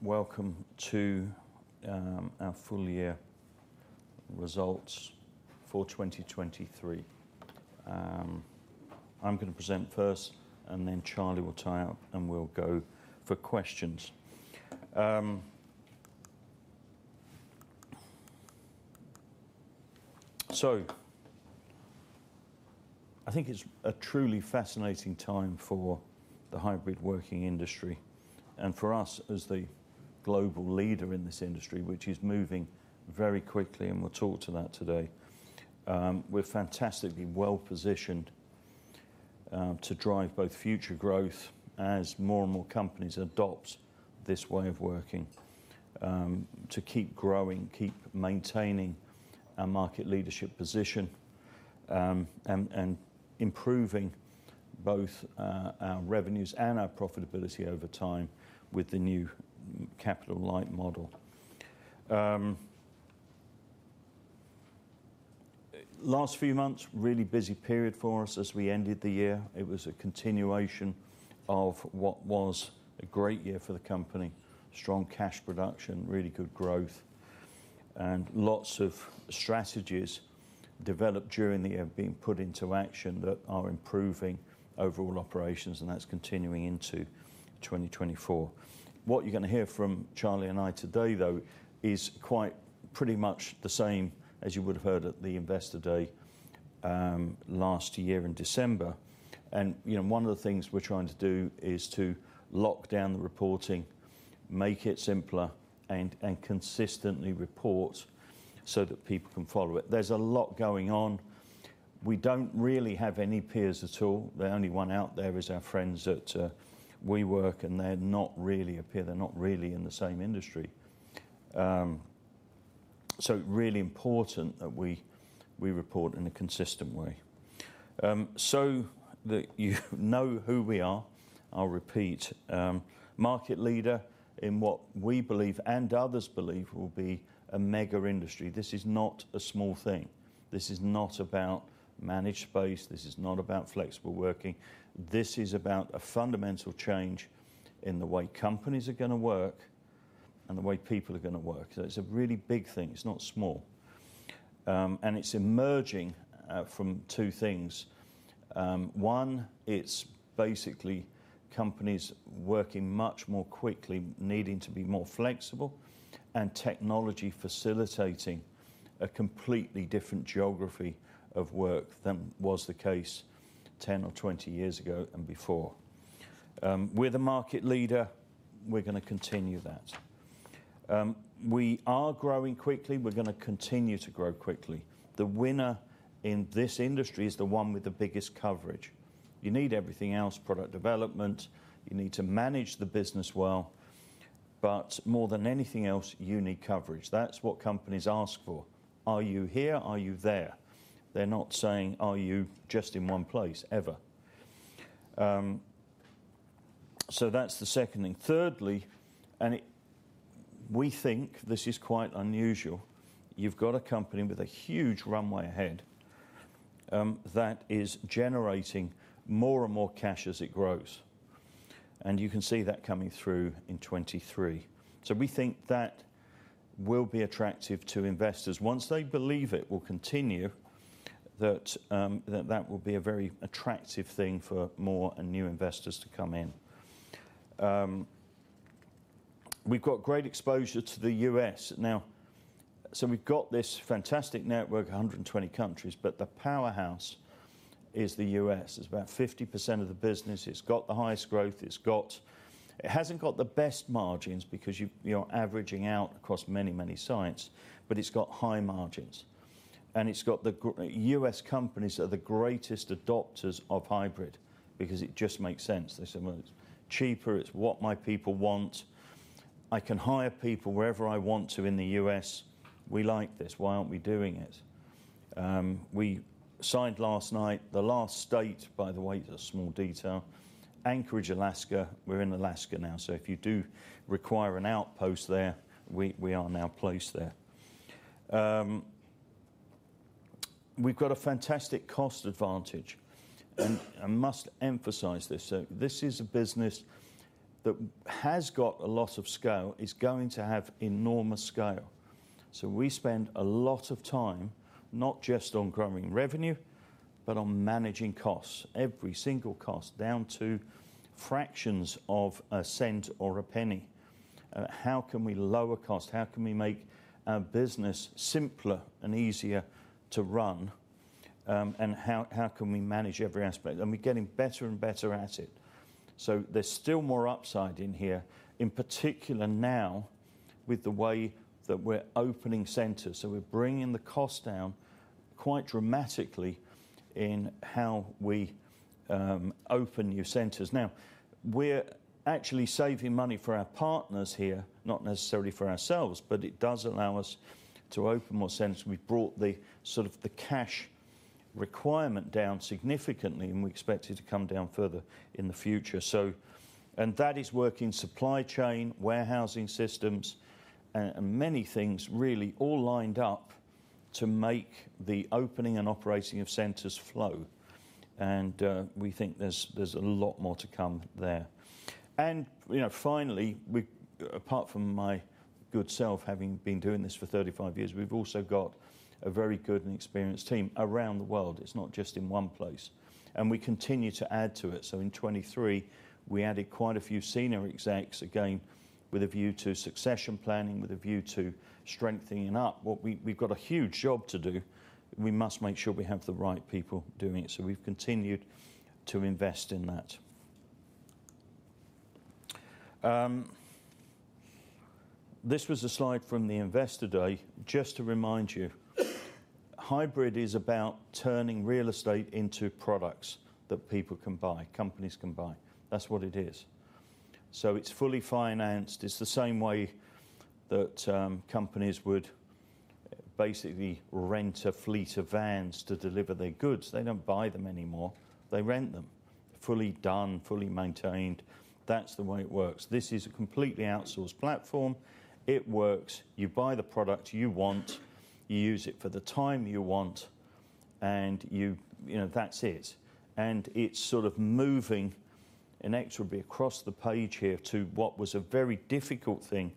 Welcome to our full-year results for 2023. I'm going to present first, and then Charlie will tie up, and we'll go for questions. So I think it's a truly fascinating time for the hybrid working industry, and for us as the global leader in this industry, which is moving very quickly, and we'll talk to that today. We're fantastically well-positioned to drive both future growth as more and more companies adopt this way of working, to keep growing, keep maintaining our market leadership position, and improving both our revenues and our profitability over time with the new capital-light model. Last few months, really busy period for us as we ended the year. It was a continuation of what was a great year for the company: strong cash production, really good growth, and lots of strategies developed during the year being put into action that are improving overall operations, and that's continuing into 2024. What you're going to hear from Charlie and I today, though, is quite pretty much the same as you would have heard at the Investor Day, last year in December. You know, one of the things we're trying to do is to lock down the reporting, make it simpler, and consistently report so that people can follow it. There's a lot going on. We don't really have any peers at all. The only one out there is our friends at WeWork, and they're not really a peer. They're not really in the same industry. So it's really important that we report in a consistent way. So that you know who we are, I'll repeat, market leader in what we believe and others believe will be a mega industry. This is not a small thing. This is not about managed space. This is not about flexible working. This is about a fundamental change in the way companies are going to work and the way people are going to work. So it's a really big thing. It's not small. And it's emerging from two things. One, it's basically companies working much more quickly, needing to be more flexible, and technology facilitating a completely different geography of work than was the case 10 or 20 years ago and before. We're the market leader. We're going to continue that. We are growing quickly. We're going to continue to grow quickly. The winner in this industry is the one with the biggest coverage. You need everything else: product development. You need to manage the business well. But more than anything else, you need coverage. That's what companies ask for. Are you here? Are you there? They're not saying, "Are you just in one place?" Ever. So that's the second thing. Thirdly, and we think this is quite unusual, you've got a company with a huge runway ahead, that is generating more and more cash as it grows. And you can see that coming through in 2023. So we think that will be attractive to investors. Once they believe it will continue, that, that that will be a very attractive thing for more and new investors to come in. We've got great exposure to the U.S. Now, so we've got this fantastic network, 120 countries, but the powerhouse is the U.S. It's about 50% of the business. It's got the highest growth. It's got, it hasn't got the best margins because you know are averaging out across many, many sites, but it's got high margins. It's got the U.S. companies that are the greatest adopters of hybrid because it just makes sense. They say, "Well, it's cheaper. It's what my people want. I can hire people wherever I want to in the U.S. We like this. Why aren't we doing it?" We signed last night. The last state, by the way, is a small detail: Anchorage, Alaska. We're in Alaska now. So if you do require an outpost there, we are now placed there. We've got a fantastic cost advantage. And I must emphasize this. So this is a business that has got a lot of scale, is going to have enormous scale. So we spend a lot of time not just on growing revenue, but on managing costs, every single cost, down to fractions of a cent or a penny. How can we lower cost? How can we make our business simpler and easier to run? And how, how can we manage every aspect? And we're getting better and better at it. So there's still more upside in here, in particular now with the way that we're opening centers. So we're bringing the cost down quite dramatically in how we open new centers. Now, we're actually saving money for our partners here, not necessarily for ourselves, but it does allow us to open more centers. We've brought the sort of the cash requirement down significantly, and we expect it to come down further in the future. And that is working supply chain, warehousing systems, and many things really all lined up to make the opening and operating of centers flow. We think there's a lot more to come there. You know, finally, we, apart from my good self having been doing this for 35 years, we've also got a very good and experienced team around the world. It's not just in one place. We continue to add to it. So in 2023, we added quite a few senior execs, again, with a view to succession planning, with a view to strengthening up what we've got a huge job to do. We must make sure we have the right people doing it. We've continued to invest in that. This was a slide from the Investor Day. Just to remind you, hybrid is about turning real estate into products that people can buy, companies can buy. That's what it is. So it's fully financed. It's the same way that, companies would basically rent a fleet of vans to deliver their goods. They don't buy them anymore. They rent them, fully done, fully maintained. That's the way it works. This is a completely outsourced platform. It works. You buy the product you want. You use it for the time you want. And you, you know, that's it. And it's sort of moving an XRB across the page here to what was a very difficult thing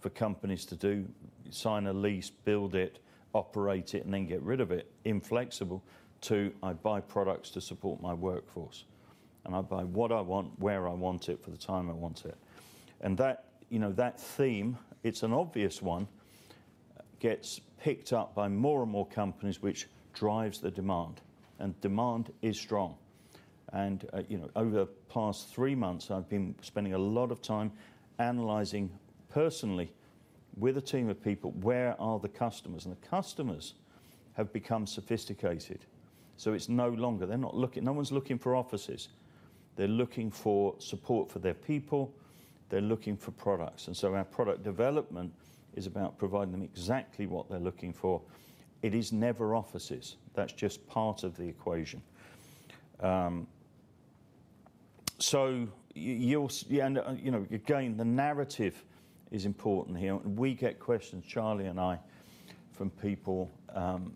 for companies to do: sign a lease, build it, operate it, and then get rid of it, inflexible, to, "I buy products to support my workforce. And I buy what I want, where I want it, for the time I want it." And that, you know, that theme, it's an obvious one, gets picked up by more and more companies, which drives the demand. And demand is strong. And, you know, over the past three months, I've been spending a lot of time analyzing personally with a team of people where are the customers. And the customers have become sophisticated. So it's no longer they're not looking no one's looking for offices. They're looking for support for their people. They're looking for products. And so our product development is about providing them exactly what they're looking for. It is never offices. That's just part of the equation. So you'll see and, you know, again, the narrative is important here. And we get questions, Charlie and I, from people,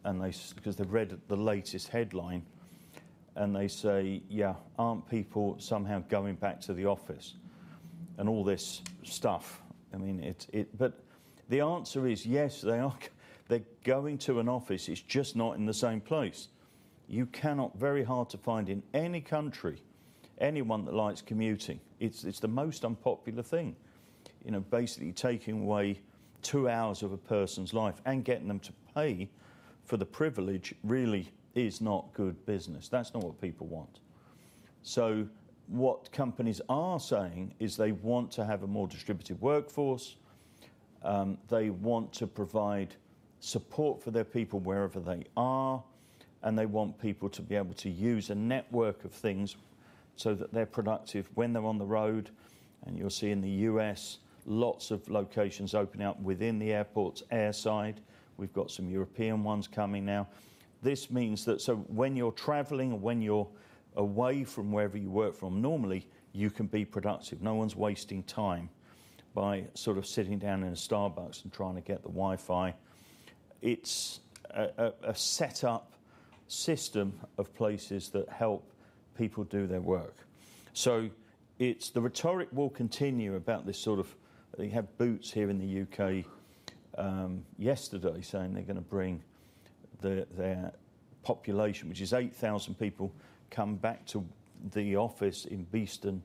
and they because they've read the latest headline. And they say, "Yeah, aren't people somehow going back to the office?" And all this stuff. I mean, it but the answer is, yes, they are, they're going to an office. It's just not in the same place. You cannot very hard to find in any country anyone that likes commuting. It's the most unpopular thing. You know, basically taking away two hours of a person's life and getting them to pay for the privilege really is not good business. That's not what people want. So what companies are saying is they want to have a more distributed workforce. They want to provide support for their people wherever they are. And they want people to be able to use a network of things so that they're productive when they're on the road. And you'll see in the U.S., lots of locations opening up within the airports, airside. We've got some European ones coming now. This means that so when you're traveling or when you're away from wherever you work from normally, you can be productive. No one's wasting time by sort of sitting down in a Starbucks and trying to get the Wi-Fi. It's a setup system of places that help people do their work. So it's the rhetoric will continue about this sort of they have Boots here in the UK, yesterday saying they're going to bring their population, which is 8,000 people, come back to the office in Beeston,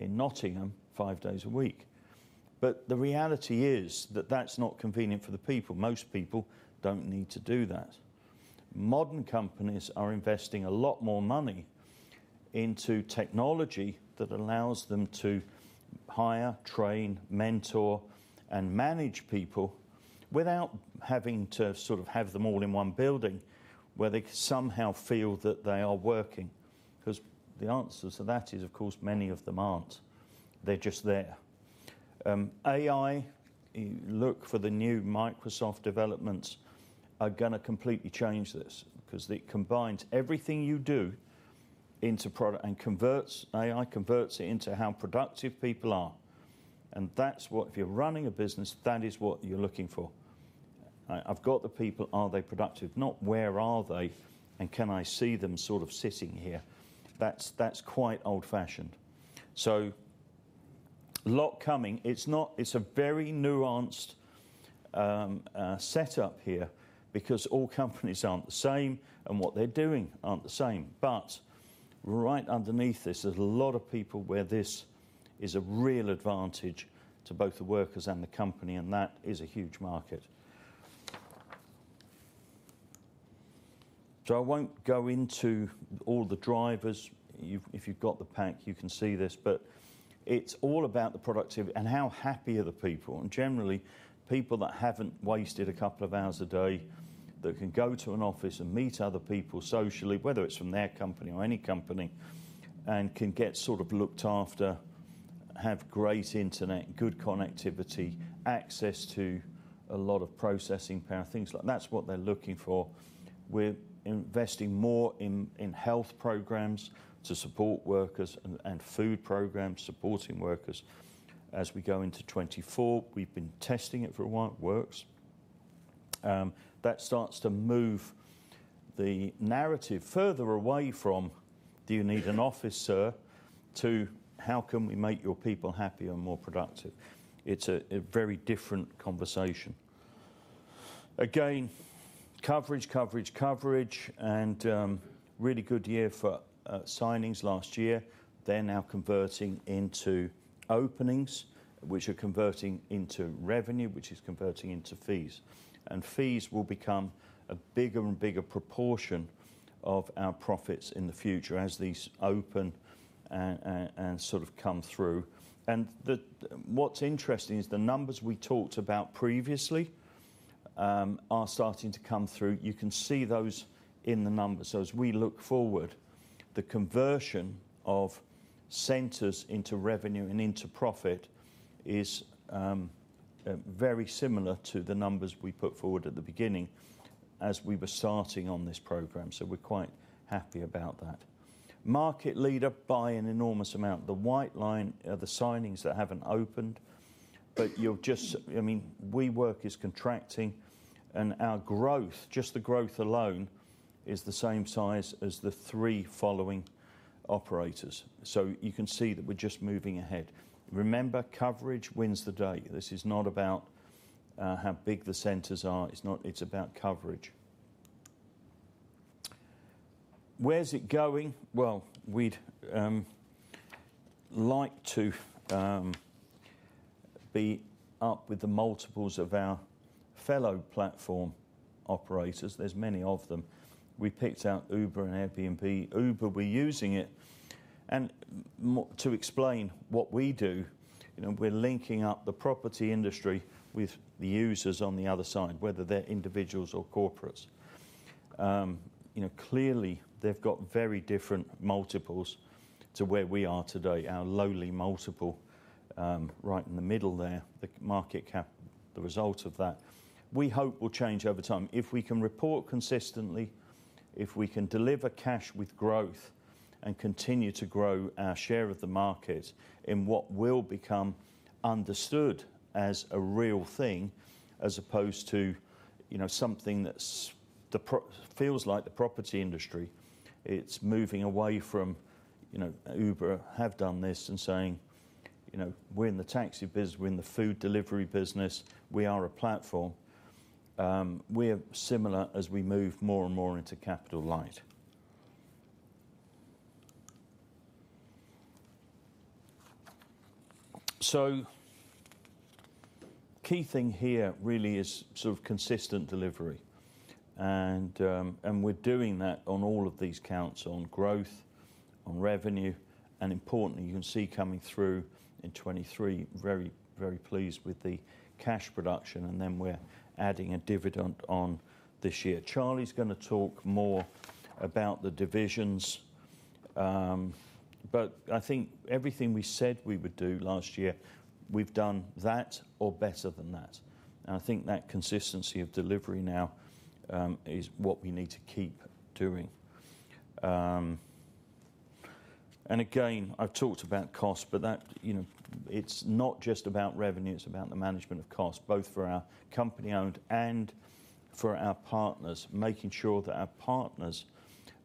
in Nottingham, five days a week. But the reality is that that's not convenient for the people. Most people don't need to do that. Modern companies are investing a lot more money into technology that allows them to hire, train, mentor, and manage people without having to sort of have them all in one building where they somehow feel that they are working. Because the answer to that is, of course, many of them aren't. They're just there. AI, you look for the new Microsoft developments are going to completely change this because it combines everything you do into product and converts AI converts it into how productive people are. And that's what if you're running a business, that is what you're looking for. I've got the people. Are they productive? Not where are they? And can I see them sort of sitting here? That's, that's quite old-fashioned. So a lot coming. It's not it's a very nuanced, setup here because all companies aren't the same, and what they're doing aren't the same. Right underneath this, there's a lot of people where this is a real advantage to both the workers and the company. That is a huge market. So I won't go into all the drivers. If you've got the pack, you can see this. It's all about the productivity and how happy are the people. Generally, people that haven't wasted a couple of hours a day, that can go to an office and meet other people socially, whether it's from their company or any company, and can get sort of looked after, have great internet, good connectivity, access to a lot of processing power, things like that, that's what they're looking for. We're investing more in health programs to support workers and food programs supporting workers as we go into 2024. We've been testing it for a while. It works. that starts to move the narrative further away from, "Do you need an office, sir?" to, "How can we make your people happier and more productive?" It's a, a very different conversation. Again, coverage, coverage, coverage. And, really good year for signings last year. They're now converting into openings, which are converting into revenue, which is converting into fees. And fees will become a bigger and bigger proportion of our profits in the future as these open and, and, and sort of come through. And the what's interesting is the numbers we talked about previously are starting to come through. You can see those in the numbers. So as we look forward, the conversion of centers into revenue and into profit is very similar to the numbers we put forward at the beginning as we were starting on this program. So we're quite happy about that. Market leader buys an enormous amount. The white line is the signings that haven't opened. But you'll just, I mean, WeWork is contracting. And our growth, just the growth alone, is the same size as the three following operators. So you can see that we're just moving ahead. Remember, coverage wins the day. This is not about how big the centers are. It's not. It's about coverage. Where's it going? Well, we'd like to be up with the multiples of our fellow platform operators. There's many of them. We picked out Uber and Airbnb. Uber, we're using it. And to explain what we do, you know, we're linking up the property industry with the users on the other side, whether they're individuals or corporates. You know, clearly, they've got very different multiples to where we are today, our lowly multiple, right in the middle there, the market cap, the result of that. We hope will change over time. If we can report consistently, if we can deliver cash with growth and continue to grow our share of the market in what will become understood as a real thing, as opposed to, you know, something that's the profile feels like the property industry, it's moving away from, you know, Uber have done this and saying, you know, we're in the taxi business. We're in the food delivery business. We are a platform. We are similar as we move more and more into capital-light. So key thing here really is sort of consistent delivery. And, and we're doing that on all of these counts, on growth, on revenue. And importantly, you can see coming through in 2023, very, very pleased with the cash production. And then we're adding a dividend on this year. Charlie's going to talk more about the divisions. But I think everything we said we would do last year, we've done that or better than that. And I think that consistency of delivery now is what we need to keep doing. And again, I've talked about cost. But that, you know, it's not just about revenue. It's about the management of cost, both for our company-owned and for our partners. Making sure that our partners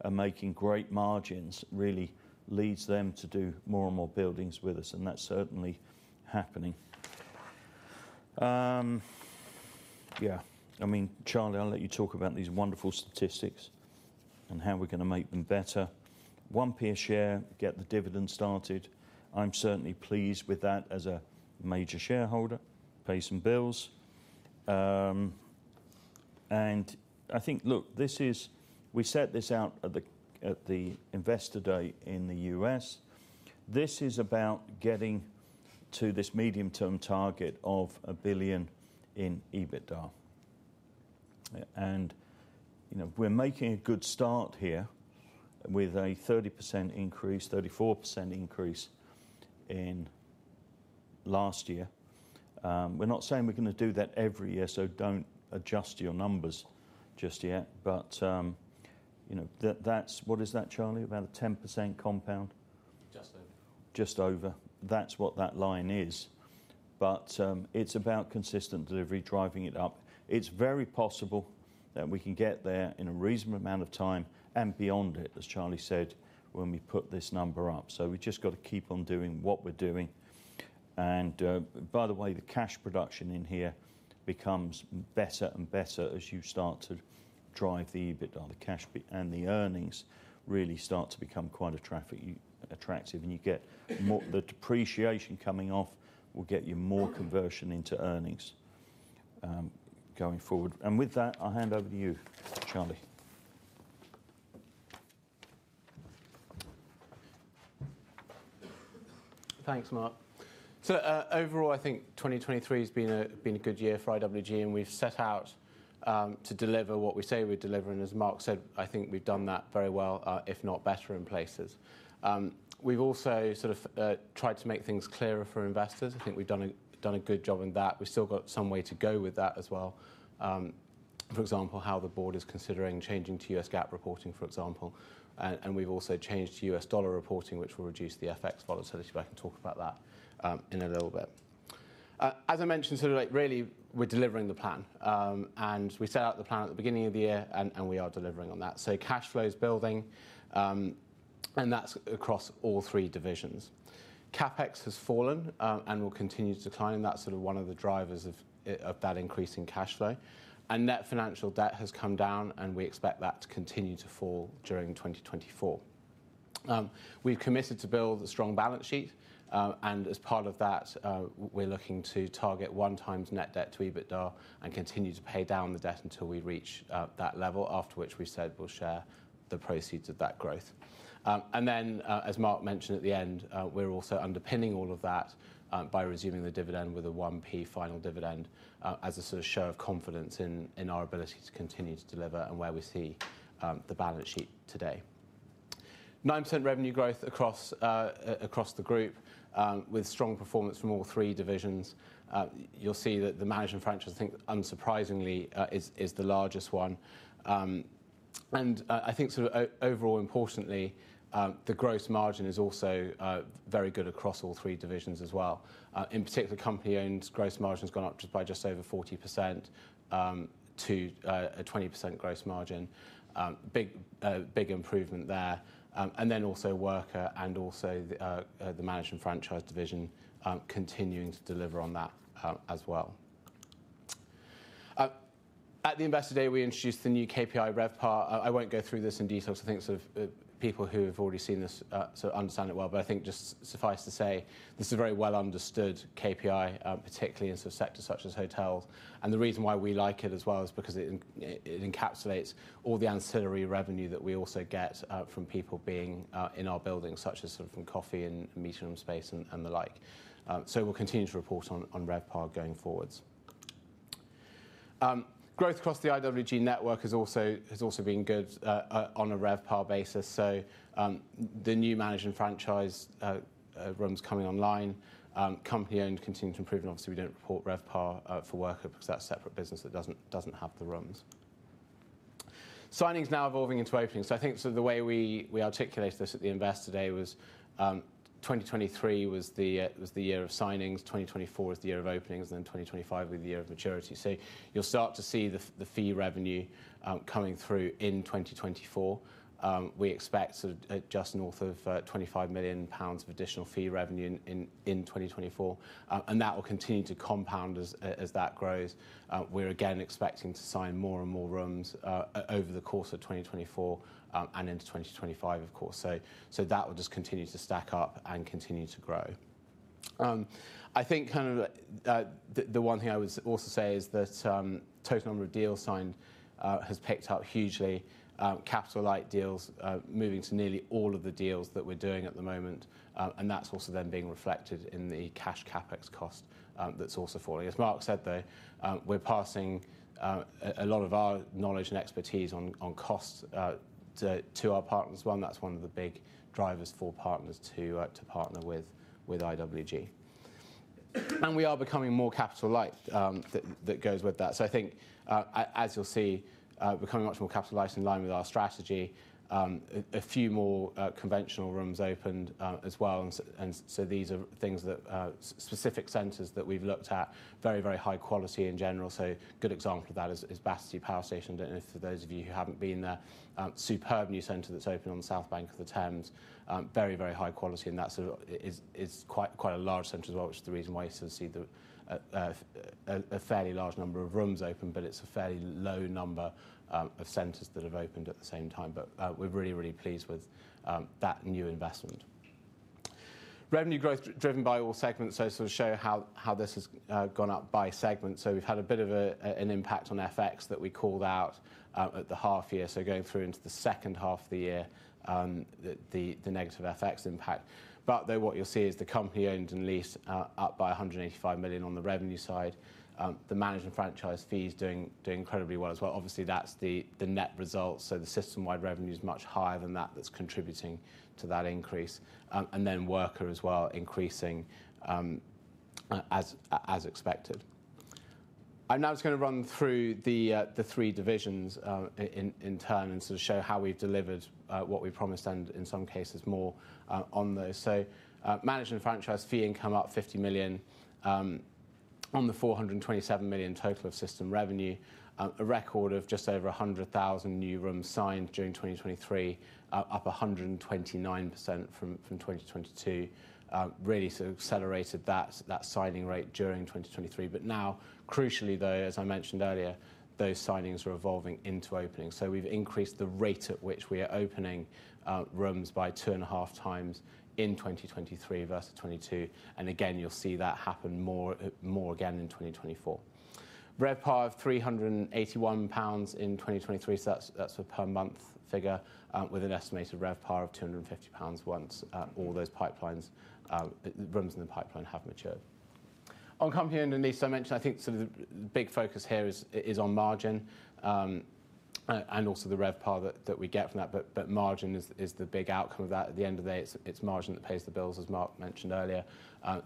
are making great margins really leads them to do more and more buildings with us. And that's certainly happening. Yeah. I mean, Charlie, I'll let you talk about these wonderful statistics and how we're going to make them better. One per share, get the dividend started. I'm certainly pleased with that as a major shareholder. Pay some bills. I think, look, this is, we set this out at the Investor Day in the U.S. This is about getting to this medium-term target of $1 billion in EBITDA. You know, we're making a good start here with a 30% increase, 34% increase in last year. We're not saying we're going to do that every year. Don't adjust your numbers just yet. You know, that's what is that, Charlie, about a 10% compound? Just over. Just over. That's what that line is. It's about consistent delivery, driving it up. It's very possible that we can get there in a reasonable amount of time and beyond it, as Charlie said, when we put this number up. We've just got to keep on doing what we're doing. And, by the way, the cash production in here becomes better and better as you start to drive the EBITDA, the cash flow and the earnings really start to become quite attractive. And you get more the depreciation coming off will get you more conversion into earnings, going forward. And with that, I'll hand over to you, Charlie. Thanks, Mark. So, overall, I think 2023 has been a good year for IWG. And we've set out to deliver what we say we're delivering. As Mark said, I think we've done that very well, if not better, in places. We've also sort of tried to make things clearer for investors. I think we've done a good job in that. We've still got some way to go with that as well. For example, how the board is considering changing to U.S. GAAP reporting, for example. We've also changed to US dollar reporting, which will reduce the FX volatility. But I can talk about that in a little bit. As I mentioned, sort of like really, we're delivering the plan. We set out the plan at the beginning of the year. We are delivering on that. Cash flow is building. That's across all three divisions. CapEx has fallen, and will continue to decline. That's sort of one of the drivers of that increase in cash flow. Net financial debt has come down. We expect that to continue to fall during 2024. We've committed to build a strong balance sheet. As part of that, we're looking to target 1x net debt to EBITDA and continue to pay down the debt until we reach that level, after which we said we'll share the proceeds of that growth. Then, as Mark mentioned at the end, we're also underpinning all of that by resuming the dividend with a 1p final dividend, as a sort of show of confidence in our ability to continue to deliver and where we see the balance sheet today. 9% revenue growth across the group, with strong performance from all three divisions. You'll see that the management franchise, I think, unsurprisingly, is the largest one. I think sort of overall, importantly, the gross margin is also very good across all three divisions as well. In particular, company-owned gross margin has gone up just over 40%, to a 20% gross margin. Big, big improvement there. And then also Worka and also the, the management franchise division, continuing to deliver on that, as well. At the Investor Day, we introduced the new KPI RevPAR. I won't go through this in detail because I think sort of, people who have already seen this, sort of understand it well. But I think just suffice to say, this is a very well-understood KPI, particularly in sort of sectors such as hotels. And the reason why we like it as well is because it en it encapsulates all the ancillary revenue that we also get, from people being, in our buildings, such as sort of from coffee and meeting room space and, and the like. So we'll continue to report on, on RevPAR going forwards. Growth across the IWG network has also has also been good, on a RevPAR basis. So, the new management franchise rooms coming online. Company-owned continues to improve. And obviously, we don't report RevPAR for Worka because that's a separate business that doesn't have the rooms. Signings now evolving into openings. So I think sort of the way we articulated this at the Investor Day was, 2023 was the year of signings. 2024 was the year of openings. And then 2025 will be the year of maturity. So you'll start to see the fee revenue coming through in 2024. We expect sort of just north of 25 million pounds of additional fee revenue in 2024. And that will continue to compound as that grows. We're again expecting to sign more and more rooms over the course of 2024, and into 2025, of course. So that will just continue to stack up and continue to grow. I think kind of, the one thing I would also say is that, total number of deals signed, has picked up hugely. Capital-light deals, moving to nearly all of the deals that we're doing at the moment. And that's also then being reflected in the cash CapEx cost, that's also falling. As Mark said, though, we're passing, a lot of our knowledge and expertise on, on costs, to, to our partners as well. And that's one of the big drivers for partners to, to partner with, with IWG. And we are becoming more capital-light, that, that goes with that. So I think, as you'll see, becoming much more capital-light in line with our strategy, a few more, conventional rooms opened, as well. And so these are things that, specific centers that we've looked at, very, very high quality in general. So good example of that is Battersea Power Station. I don't know if for those of you who haven't been there, superb new center that's opened on the south bank of the Thames. Very high quality. And that sort of is quite a large center as well, which is the reason why you sort of see a fairly large number of rooms open. But it's a fairly low number of centers that have opened at the same time. But we're really pleased with that new investment. Revenue growth driven by all segments. So sort of show how this has gone up by segments. So we've had a bit of an impact on FX that we called out at the half year. So going through into the second half of the year, the negative FX impact. But though what you'll see is the company-owned and leased up by $185 million on the revenue side. The management franchise fee is doing incredibly well as well. Obviously, that's the net result. So the system-wide revenue is much higher than that. That's contributing to that increase. And then Worka as well, increasing as expected. I'm now just going to run through the three divisions in turn and sort of show how we've delivered what we promised and, in some cases, more on those. So, management franchise fee income up $50 million on the $427 million total of system revenue, a record of just over 100,000 new rooms signed during 2023, up 129% from 2022. Really sort of accelerated that signing rate during 2023. But now, crucially, though, as I mentioned earlier, those signings are evolving into opening. So we've increased the rate at which we are opening rooms by 2.5x in 2023 versus 2022. And again, you'll see that happen more again in 2024. RevPAR of 381 pounds in 2023. So that's a per-month figure, with an estimated RevPAR of 250 pounds once all those pipeline rooms in the pipeline have matured. On company-owned and leased, I mentioned, I think sort of the big focus here is on margin and also the RevPAR that we get from that. But margin is the big outcome of that. At the end of the day, it's margin that pays the bills, as Mark mentioned earlier.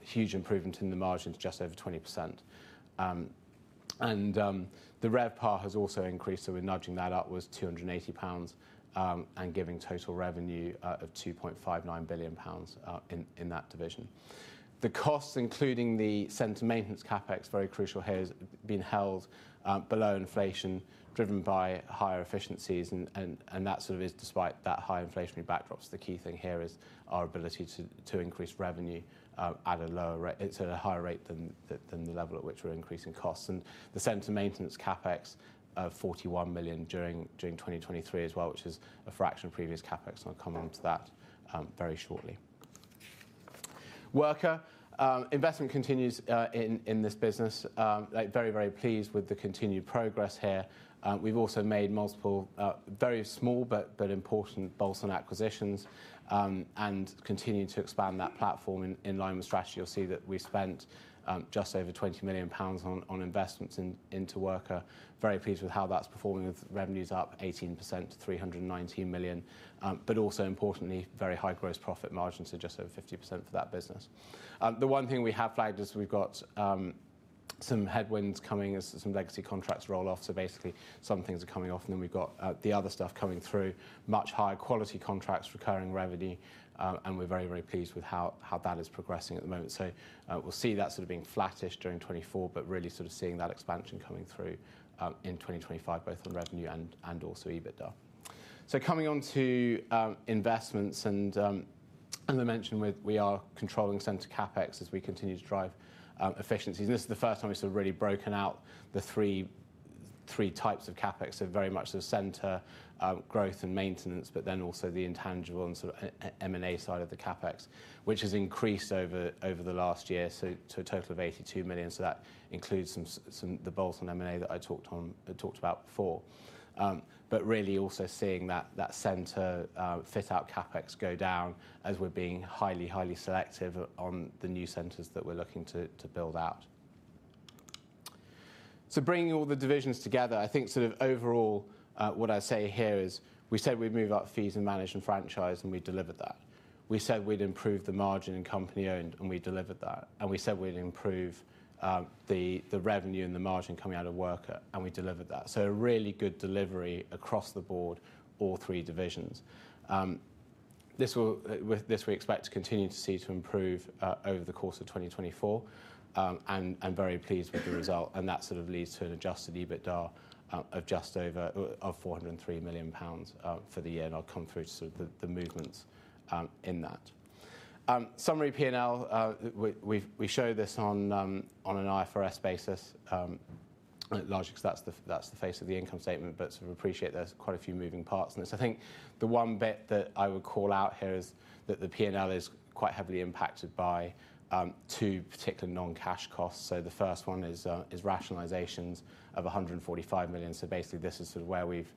Huge improvement in the margins, just over 20%. And the RevPAR has also increased. So we're nudging that upwards, 280 pounds, and giving total revenue of 2.59 billion pounds in that division. The costs, including the center maintenance CapEx, very crucial here, has been held below inflation, driven by higher efficiencies. And that sort of is despite that high inflationary backdrop. So the key thing here is our ability to increase revenue at a higher rate than the level at which we're increasing costs. And the center maintenance CapEx of $41 million during 2023 as well, which is a fraction of previous CapEx. And I'll come on to that very shortly. Worka investment continues in this business. Like, very, very pleased with the continued progress here. We've also made multiple, very small but important bolt-on acquisitions, and continue to expand that platform in line with strategy. You'll see that we spent just over 20 million pounds on investments into Worka. Very pleased with how that's performing with revenues up 18% to $319 million. But also importantly, very high gross profit margins, so just over 50% for that business. The one thing we have flagged is we've got some headwinds coming as some legacy contracts roll off. So basically, some things are coming off. And then we've got the other stuff coming through, much higher quality contracts, recurring revenue. And we're very, very pleased with how that is progressing at the moment. So, we'll see that sort of being flattish during 2024 but really sort of seeing that expansion coming through in 2025, both on revenue and also EBITDA. So coming on to investments. And, as I mentioned, we are controlling center CapEx as we continue to drive efficiencies. And this is the first time we've sort of really broken out the three types of CapEx. So very much the center growth and maintenance but then also the intangible and sort of M&A side of the CapEx, which has increased over the last year to a total of $82 million. So that includes some the bolt-on M&A that I talked about before. But really also seeing that center fit-out CapEx go down as we're being highly selective on the new centers that we're looking to build out. So bringing all the divisions together, I think sort of overall, what I say here is, we said we'd move up fees in management franchise. And we delivered that. We said we'd improve the margin in company-owned. And we delivered that. And we said we'd improve the revenue and the margin coming out of Worka. And we delivered that. So a really good delivery across the board, all three divisions. With this, we expect to continue to see to improve over the course of 2024, and very pleased with the result. And that sort of leads to an adjusted EBITDA of just over 403 million pounds for the year. And I'll come through to sort of the movements in that. In summary P&L, we've, we show this on an IFRS basis at large because that's the face of the income statement. But sort of appreciate there's quite a few moving parts. And it's, I think, the one bit that I would call out here is that the P&L is quite heavily impacted by two particular non-cash costs. So the first one is rationalizations of $145 million. So basically, this is sort of where we've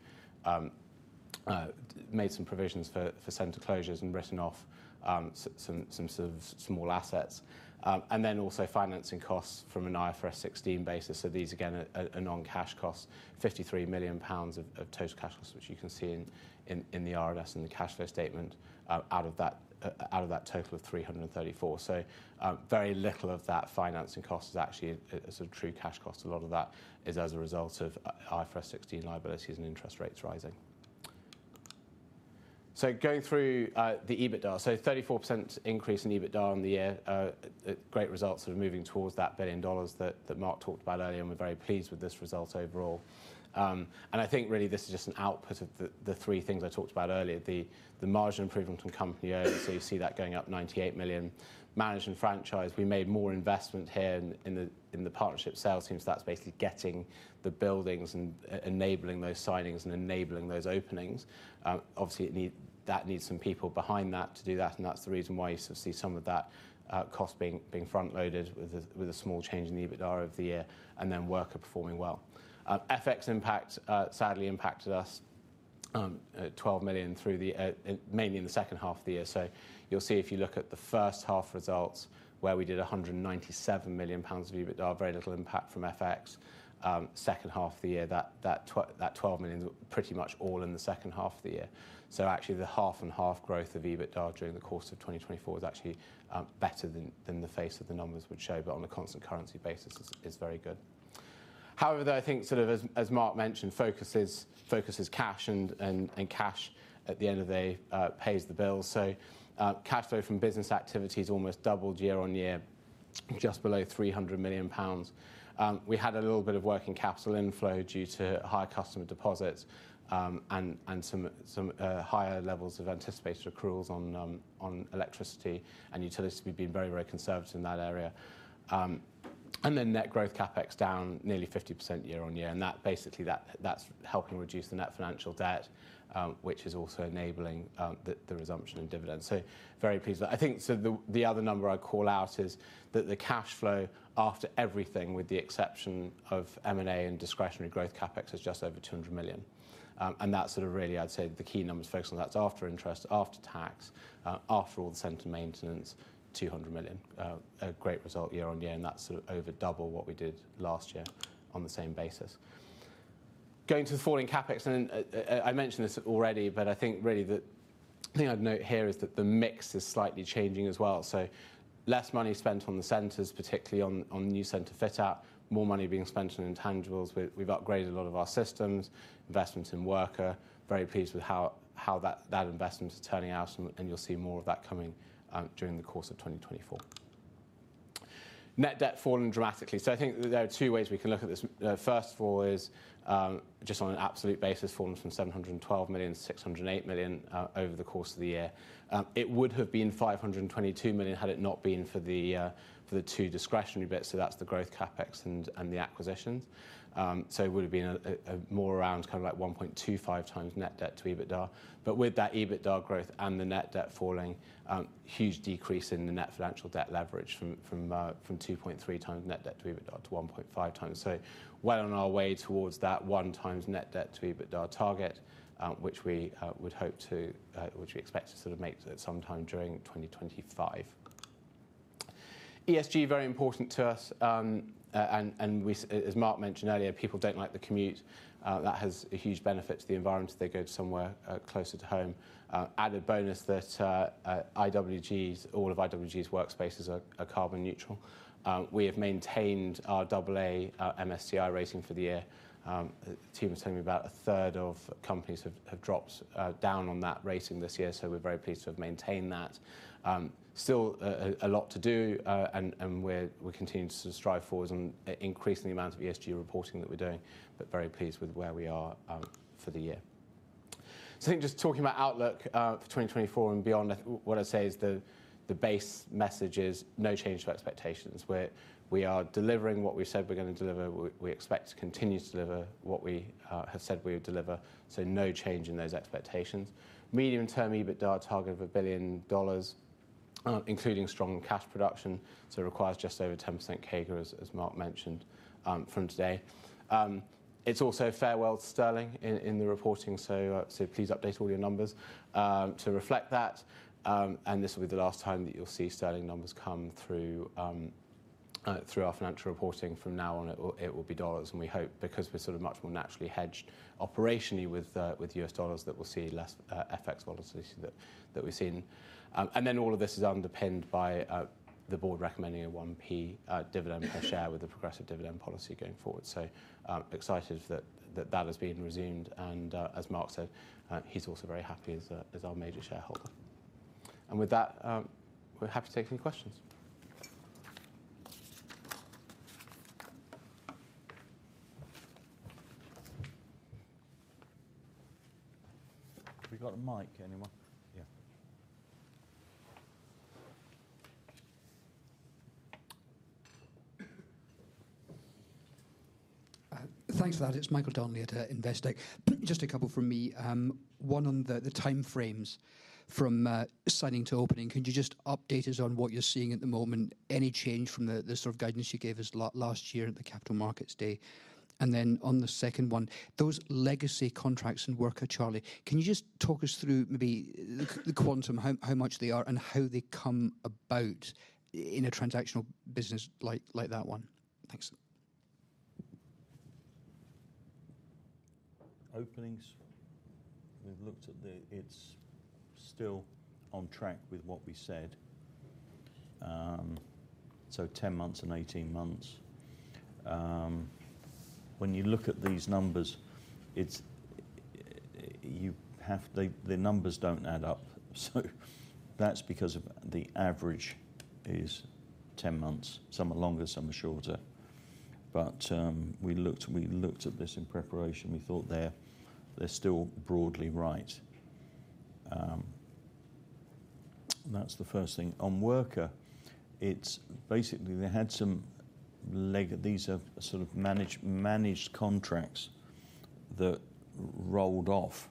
made some provisions for center closures and written off some sort of small assets. And then also financing costs from an IFRS 16 basis. So these again are non-cash costs, 53 million pounds of total cash costs, which you can see in the RNS and the cash flow statement, out of that total of $334 million. So, very little of that financing cost is actually a sort of true cash cost. A lot of that is as a result of IFRS 16 liabilities and interest rates rising. So going through the EBITDA. So 34% increase in EBITDA on the year. A great result sort of moving towards that $1 billion that Mark talked about earlier. And we're very pleased with this result overall. And I think really, this is just an output of the three things I talked about earlier, the margin improvement from company-owned. So you see that going up $98 million. Management franchise, we made more investment here in the partnership sales team. So that's basically getting the buildings and enabling those signings and enabling those openings. Obviously, it needs some people behind that to do that. And that's the reason why you sort of see some of that cost being front-loaded with a small change in the EBITDA over the year and then Worka performing well. FX impact sadly impacted us at 12 million, mainly in the second half of the year. So you'll see if you look at the first half results, where we did 197 million pounds of EBITDA, very little impact from FX. Second half of the year, that 12 million was pretty much all in the second half of the year. So actually, the half-and-half growth of EBITDA during the course of 2024 was actually better than the face of the numbers would show. But on a constant currency basis, it's very good. However, though, I think sort of as Mark mentioned, focus is cash. And cash at the end of the day pays the bills. So cash flow from business activities almost doubled year-on-year, just below 300 million pounds. We had a little bit of working capital inflow due to high customer deposits, and some higher levels of anticipated accruals on electricity and utilities, being very conservative in that area. And then net growth CapEx down nearly 50% year-on-year. And that basically that's helping reduce the net financial debt, which is also enabling the resumption of dividends. So very pleased with that. I think sort of the other number I'd call out is that the cash flow after everything, with the exception of M&A and discretionary growth CapEx, is just over $200 million. That's sort of really, I'd say, the key numbers focusing on. That's after interest, after tax, after all the center maintenance, $200 million, a great result year-on-year. And that's sort of over double what we did last year on the same basis. Going to the falling CapEx. And then, I mentioned this already. But I think really that the thing I'd note here is that the mix is slightly changing as well. So less money spent on the centers, particularly on new center fit-out, more money being spent on intangibles. We've upgraded a lot of our systems, investments in Worka. Very pleased with how that investment is turning out. And you'll see more of that coming during the course of 2024. Net debt fallen dramatically. So I think that there are two ways we can look at this. First of all is, just on an absolute basis, fallen from $712 million to $608 million, over the course of the year. It would have been $522 million had it not been for the two discretionary bits. So that's the growth CapEx and the acquisitions. So it would have been more around kind of like 1.25x net debt to EBITDA. But with that EBITDA growth and the net debt falling, huge decrease in the net financial debt leverage from 2.3x net debt to EBITDA to 1.5x. So we're well on our way towards that 1x net debt to EBITDA target, which we expect to sort of make at some time during 2025. ESG very important to us. And as Mark mentioned earlier, people don't like the commute. That has a huge benefit to the environment. They go to somewhere closer to home. Added bonus that IWG's all of IWG's workspaces are carbon neutral. We have maintained our AA MSCI rating for the year. The team was telling me about a third of companies have dropped down on that rating this year. So we're very pleased to have maintained that. Still a lot to do. And we're continuing to sort of strive forward on increasing the amount of ESG reporting that we're doing. Very pleased with where we are for the year. So I think just talking about outlook for 2024 and beyond, I think what I'd say is the base message is no change to expectations. We are delivering what we said we're going to deliver. We expect to continue to deliver what we have said we would deliver. So no change in those expectations. Medium-term EBITDA target of $1 billion, including strong cash production. So it requires just over 10% CAGR, as Mark mentioned, from today. It's also farewell sterling in the reporting. So please update all your numbers to reflect that. And this will be the last time that you'll see sterling numbers come through our financial reporting. From now on, it will be dollars. And we hope, because we're sort of much more naturally hedged operationally with US dollars, that we'll see less FX volatility than we've seen. And then all of this is underpinned by the board recommending a 1p dividend per share with a progressive dividend policy going forward. So excited that that has been resumed. And, as Mark said, he's also very happy as our major shareholder. And with that, we're happy to take any questions. Have we got a mic anywhere? Yeah. Thanks for that. It's Michael Sherlock at Investec. Just a couple from me. One on the time frames from signing to opening. Could you just update us on what you're seeing at the moment, any change from the sort of guidance you gave us last year at the Capital Markets Day? And then on the second one, those legacy contracts in Worka, Charlie, can you just talk us through maybe the quantum, how much they are, and how they come about in a transactional business like that one? Thanks. Openings, we've looked at them. It's still on track with what we said, so 10 months and 18 months. When you look at these numbers, it's you have the, the numbers don't add up. So that's because the average is 10 months. Some are longer. Some are shorter. But we looked at this in preparation. We thought they're still broadly right. That's the first thing. On Worka, it's basically they had some legacy. These are sort of managed contracts that rolled off.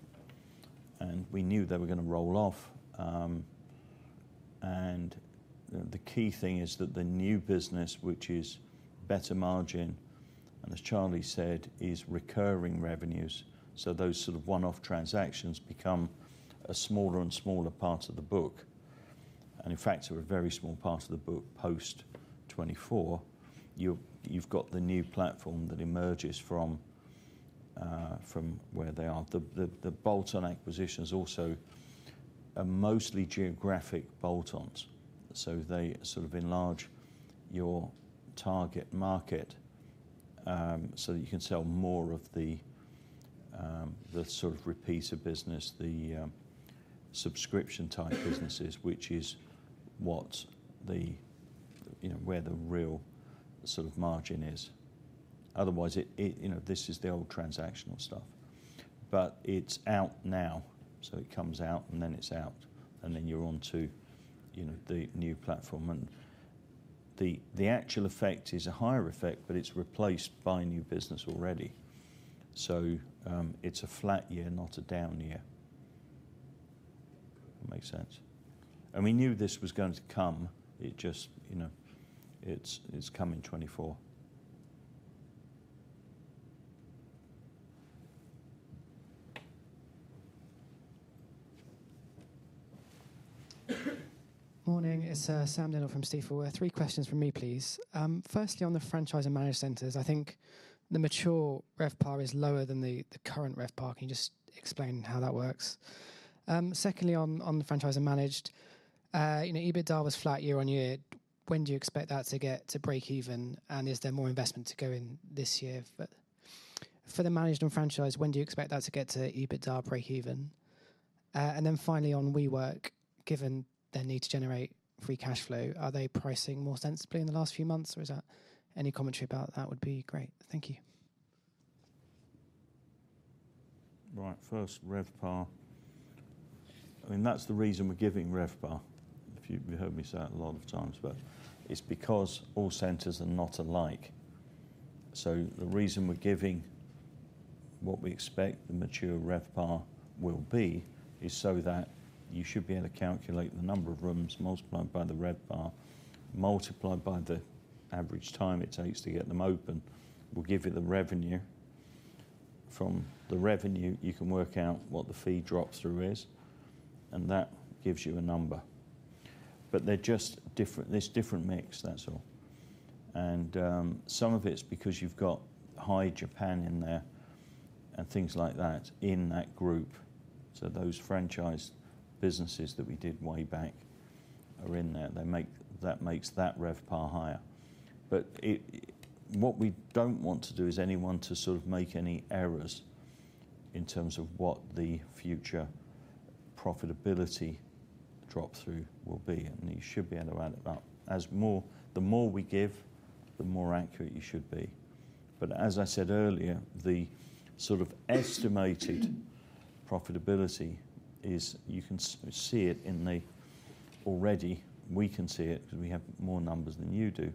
And we knew they were going to roll off. And the key thing is that the new business, which is better margin, and as Charlie said, is recurring revenues. So those sort of one-off transactions become a smaller and smaller part of the book. And in fact, they're a very small part of the book post 2024. You've got the new platform that emerges from where they are. The bolt-on acquisition is also a mostly geographic bolt-ons. So they sort of enlarge your target market, so that you can sell more of the sort of repeater business, the subscription-type businesses, which is what, you know, where the real sort of margin is. Otherwise, it, you know, this is the old transactional stuff. But it's out now. So it comes out. And then it's out. And then you're on to, you know, the new platform. And the actual effect is a higher effect. But it's replaced by new business already. So it's a flat year, not a down year. That makes sense. And we knew this was going to come. It just, you know, it's come in 2024. Morning. It's Sam Sherlock from Stifel. Three questions from me, please. Firstly, on the franchise and managed centers, I think the mature RevPAR is lower than the, the current RevPAR. Can you just explain how that works? Secondly, on, on the franchise and managed, you know, EBITDA was flat year on year. When do you expect that to get to break even? And is there more investment to go in this year for, for the managed and franchise? When do you expect that to get to EBITDA break even? And then finally, on WeWork, given their need to generate free cash flow, are they pricing more sensibly in the last few months? Or is there any commentary about that? That would be great. Thank you. Right. First, RevPAR. I mean, that's the reason we're giving RevPAR. If you've heard me say that a lot of times. But it's because all centers are not alike. So the reason we're giving what we expect the mature RevPAR will be is so that you should be able to calculate the number of rooms multiplied by the RevPAR, multiplied by the average time it takes to get them open. We'll give you the revenue. From the revenue, you can work out what the fee drops through is. And that gives you a number. But they're just different. It's different mix. That's all. And some of it's because you've got IWG Japan in there and things like that in that group. So those franchise businesses that we did way back are in there. They make that. That makes that RevPAR higher. But what we don't want to do is anyone to sort of make any errors in terms of what the future profitability drop through will be. And you should be able to add it up. As more, the more we give, the more accurate you should be. But as I said earlier, the sort of estimated profitability is you can see it in the already, we can see it because we have more numbers than you do,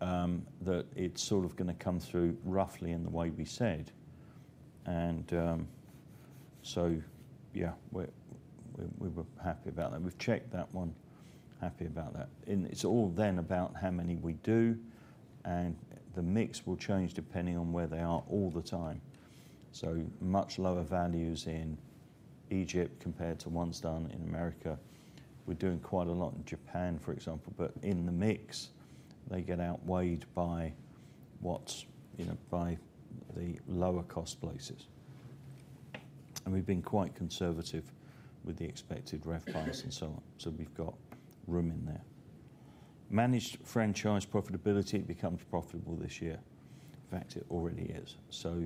that it's sort of going to come through roughly in the way we said. And, so yeah, we're, we were happy about that. We've checked that one. Happy about that. And it's all then about how many we do. And the mix will change depending on where they are all the time. So much lower values in Egypt compared to ones done in America. We're doing quite a lot in Japan, for example. But in the mix, they get outweighed by what, you know, by the lower-cost places. And we've been quite conservative with the expected RevPARs and so on. So we've got room in there. Managed franchise profitability, it becomes profitable this year. In fact, it already is. So,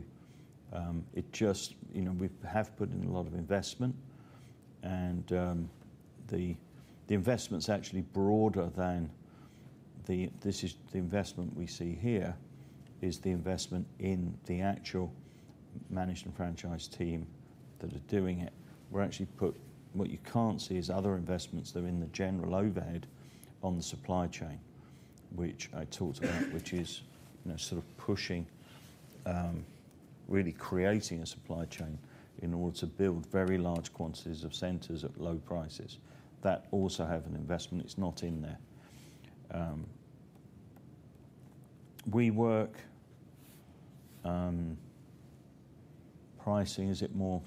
it just you know, we have put in a lot of investment. And, the investment's actually broader than the this is the investment we see here is the investment in the actual managed and franchise team that are doing it. We're actually put what you can't see is other investments that are in the general overhead on the supply chain, which I talked about, which is, you know, sort of pushing, really creating a supply chain in order to build very large quantities of centers at low prices. That also have an investment. It's not in there. WeWork pricing, is it more?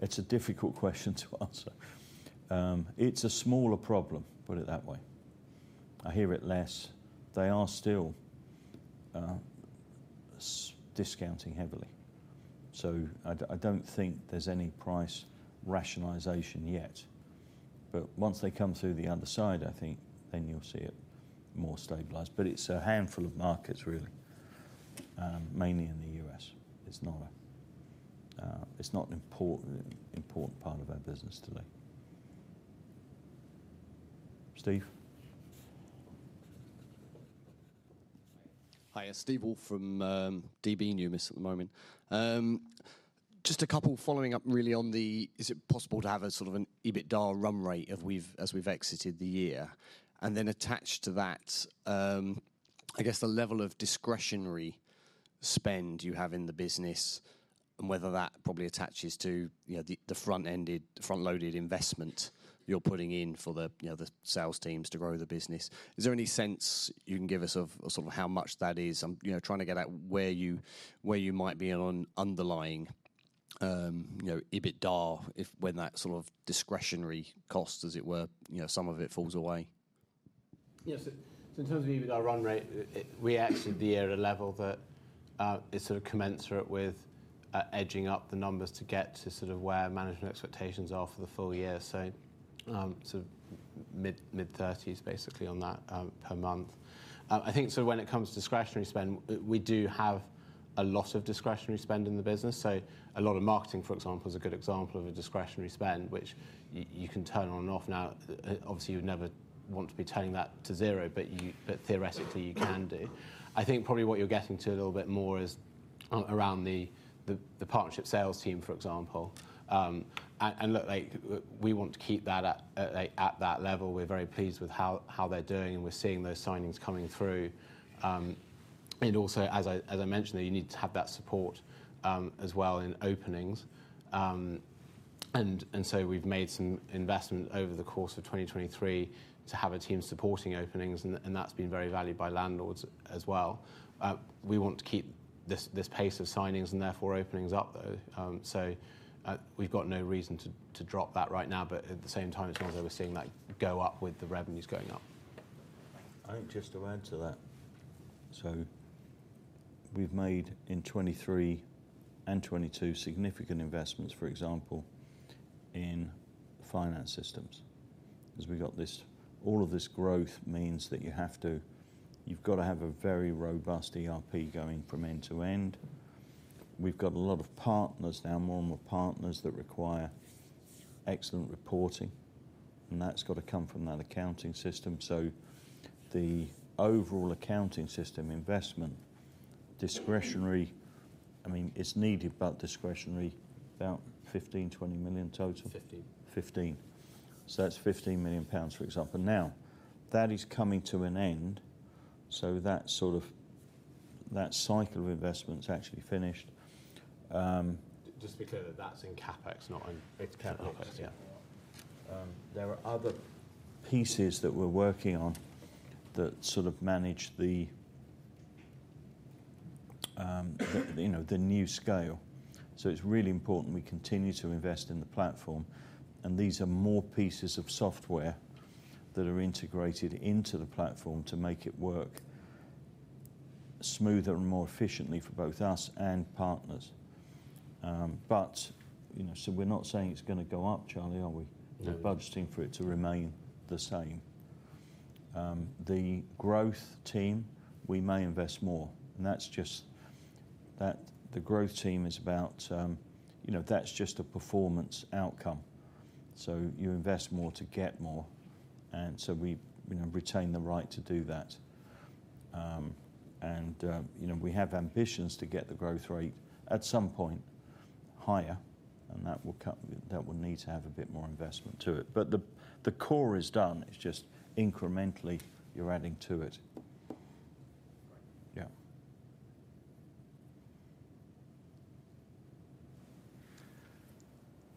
It's a difficult question to answer. It's a smaller problem. Put it that way. I hear it less. They are still discounting heavily. So I, I don't think there's any price rationalization yet. But once they come through the other side, I think then you'll see it more stabilized. But it's a handful of markets, really, mainly in the U.S. It's not a, it's not an important, important part of our business today. Steve? Hi. Hi. It's Steve Woolf from Deutsche Numis at the moment. Just a couple following up, really, on—is it possible to have a sort of an EBITDA run rate as we've exited the year? And then attached to that, I guess the level of discretionary spend you have in the business and whether that probably attaches to, you know, the front-ended, front-loaded investment you're putting in for, you know, the sales teams to grow the business. Is there any sense you can give us of sort of how much that is? I'm, you know, trying to get out where you might be on underlying, you know, EBITDA if when that sort of discretionary cost, as it were, you know, some of it falls away. Yeah. So in terms of EBITDA run rate, it we exited the year at a level that is sort of commensurate with edging up the numbers to get to sort of where management expectations are for the full year. So sort of mid-30s, basically, on that, per month. I think sort of when it comes to discretionary spend, we do have a lot of discretionary spend in the business. So a lot of marketing, for example, is a good example of a discretionary spend, which you can turn on and off. Now, obviously, you would never want to be turning that to zero. But theoretically, you can do. I think probably what you're getting to a little bit more is around the partnership sales team, for example. And look, like, we want to keep that at like at that level. We're very pleased with how they're doing. And we're seeing those signings coming through. And also, as I mentioned there, you need to have that support, as well in openings. And so we've made some investment over the course of 2023 to have a team supporting openings. And that's been very valued by landlords as well. We want to keep this pace of signings and therefore openings up, though. So, we've got no reason to drop that right now. But at the same time, it's not as though we're seeing that go up with the revenues going up. I think just to add to that, so we've made in 2023 and 2022 significant investments, for example, in finance systems because we've got this all of this growth means that you have to you've got to have a very robust ERP going from end to end. We've got a lot of partners now, more and more partners, that require excellent reporting. And that's got to come from that accounting system. So the overall accounting system investment discretionary, I mean, it's needed, but discretionary, about $15 million-$20 million total? 15. So that's 15 million pounds, for example. Now, that is coming to an end. So that sort of cycle of investment's actually finished. Just to be clear, that's in CapEx, not in its CapEx. CapEx. Yeah. There are other pieces that we're working on that sort of manage the, you know, the new scale. So it's really important we continue to invest in the platform. And these are more pieces of software that are integrated into the platform to make it work smoother and more efficiently for both us and partners. But, you know, so we're not saying it's going to go up, Charlie, are we? No. We're budgeting for it to remain the same. The growth team, we may invest more. And that's just that the growth team is about, you know, that's just a performance outcome. So you invest more to get more. And so we, you know, retain the right to do that. And, you know, we have ambitions to get the growth rate at some point higher. And that will come that will need to have a bit more investment to it. But the core is done. It's just incrementally, you're adding to it.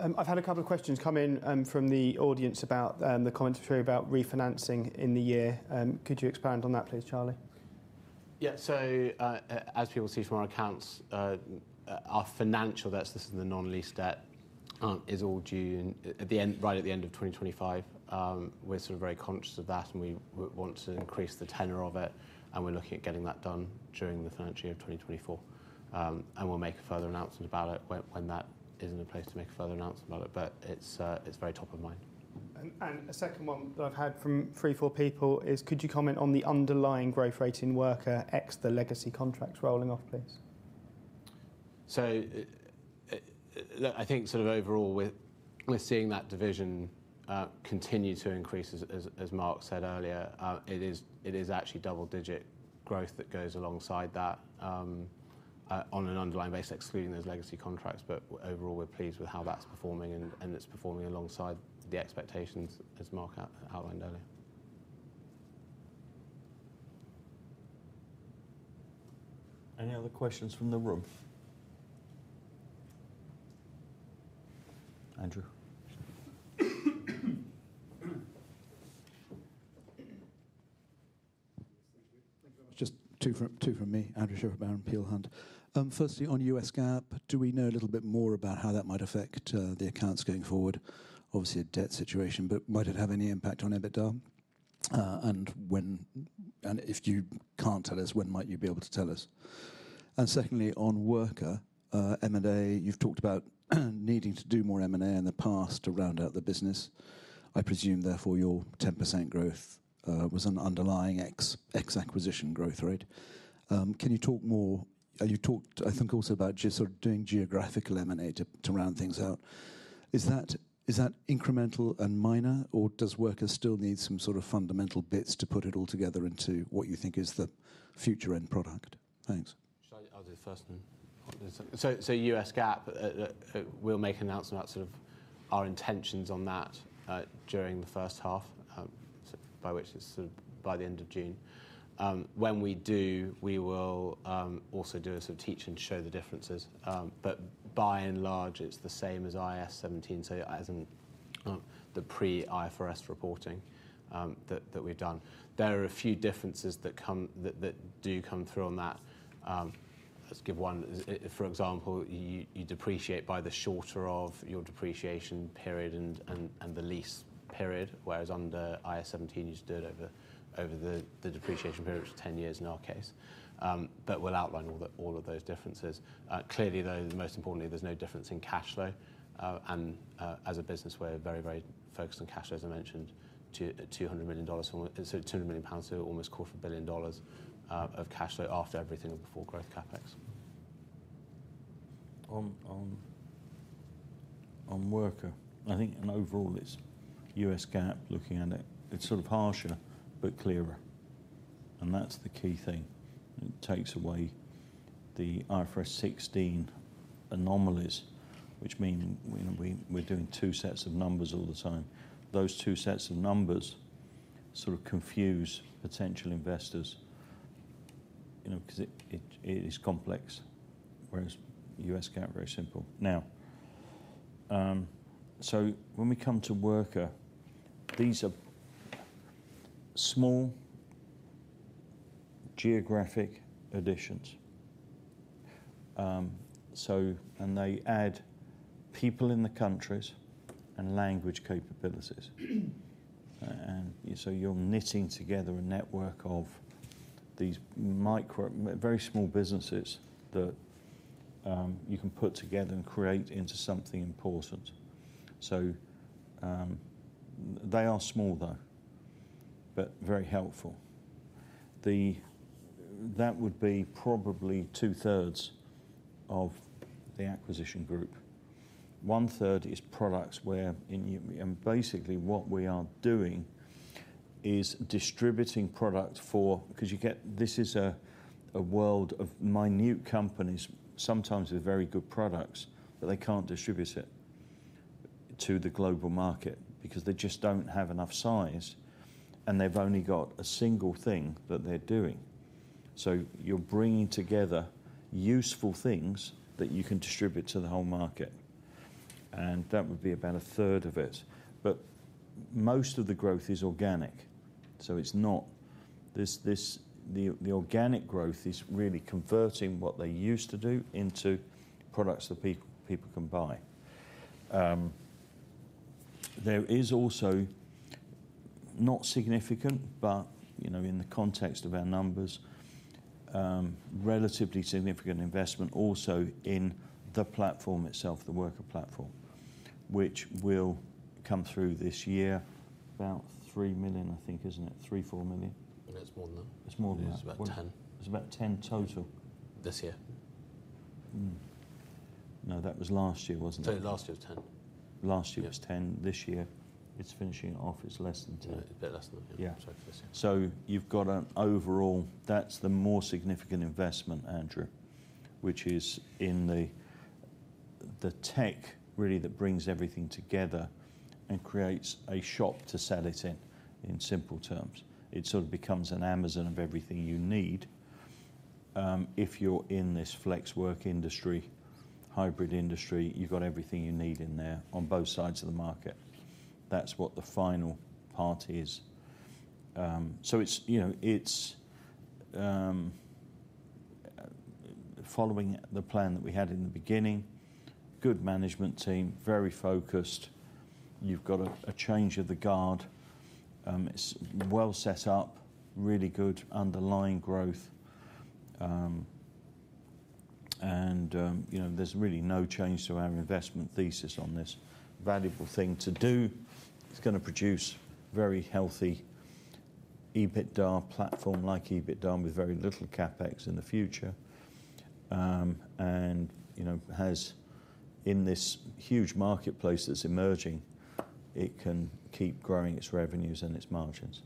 Yeah. I've had a couple of questions come in from the audience about the commentary about refinancing in the year. Could you expand on that, please, Charlie? Yeah. So, as people see from our accounts, our financials, that is the non-lease debt, is all due in at the end, right at the end, of 2025. We're sort of very conscious of that. And we want to increase the tenor of it. And we're looking at getting that done during the financial year of 2024. And we'll make a further announcement about it when, when that is in place to make a further announcement about it. But it's, it's very top of mind. And a second one that I've had from three, four people is, could you comment on the underlying growth rate in Worka ex the legacy contracts rolling off, please? So, look, I think sort of overall, we're seeing that division continue to increase as Mark said earlier. It is actually double-digit growth that goes alongside that, on an underlying basis excluding those legacy contracts. But overall, we're pleased with how that's performing. And it's performing alongside the expectations, as Mark outlined earlier. Any other questions from the room? Andrew? Thank you. Thank you very much. Just two from me, Andrew Shepherd-Barron, Peel Hunt. Firstly, on U.S. GAAP, do we know a little bit more about how that might affect the accounts going forward? Obviously, a debt situation. But might it have any impact on EBITDA? And when and if you can't tell us, when might you be able to tell us? And secondly, on Worka, M&A, you've talked about needing to do more M&A in the past to round out the business. I presume, therefore, your 10% growth was an underlying ex-acquisition growth rate. Can you talk more? You talked, I think, also about just sort of doing geographical M&A to round things out. Is that incremental and minor? Or does Worka still need some sort of fundamental bits to put it all together into what you think is the future end product? Thanks. Shall I? I'll do the first one. So, U.S. GAAP, we'll make an announcement about sort of our intentions on that, during the first half, by which it's sort of by the end of June. When we do, we will also do a sort of teach-in the differences. But by and large, it's the same as IAS 17. So as in, the pre-IFRS reporting that we've done. There are a few differences that do come through on that. Let's give one. For example, you depreciate by the shorter of your depreciation period and the lease period. Whereas under IAS 17, you just do it over the depreciation period, which is 10 years in our case. But we'll outline all of those differences. Clearly, though, most importantly, there's no difference in cash flow. As a business, we're very, very focused on cash flow, as I mentioned, to $200 million so £200 million, so almost $250 million, of cash flow after everything and before growth CapEx. On Worka, I think, and overall, it's U.S. GAAP looking at it. It's sort of harsher but clearer. And that's the key thing. It takes away the IFRS 16 anomalies, which mean, you know, we, we're doing two sets of numbers all the time. Those two sets of numbers sort of confuse potential investors, you know, because it is complex, whereas U.S. GAAP is very simple. Now, so when we come to Worka, these are small geographic additions, and they add people in the countries and language capabilities. And, you know, so you're knitting together a network of these micro very small businesses that, you can put together and create into something important. So, they are small, though, but very helpful. That would be probably two-thirds of the acquisition group. One-third is products wherein, you know, basically, what we are doing is distributing product for, because you get this is a, a world of minnow companies, sometimes with very good products, but they can't distribute it to the global market because they just don't have enough size. And they've only got a single thing that they're doing. So you're bringing together useful things that you can distribute to the whole market. And that would be about a third of it. But most of the growth is organic. So it's not this, the organic growth is really converting what they used to do into products that people can buy. There is also, not significant, but, you know, in the context of our numbers, relatively significant investment also in the platform itself, the Worka platform, which will come through this year. About $3 million, I think, isn't it? $3.4 million? And that's more than that? It's more than that. It's about 10. It's about 10 total? This year. No, that was last year, wasn't it? Last year was 10? Last year was 10. This year, it's finishing off. It's less than 10. No, it's a bit less than that. Yeah. For this year. So you've got an overall that's the more significant investment, Andrew, which is in the, the tech, really, that brings everything together and creates a shop to sell it in, in simple terms. It sort of becomes an Amazon of everything you need. If you're in this flex work industry, hybrid industry, you've got everything you need in there on both sides of the market. That's what the final part is. So it's, you know, it's, following the plan that we had in the beginning. Good management team, very focused. You've got a, a change of the guard. It's well set up, really good underlying growth. And, you know, there's really no change to our investment thesis on this. Valuable thing to do. It's going to produce very healthy EBITDA platform, like EBITDA, with very little CapEx in the future. You know, has in this huge marketplace that's emerging, it can keep growing its revenues and its margins.